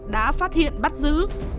đã phát hiện bắt giữ